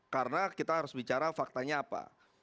karena kita harus bicara faktanya apa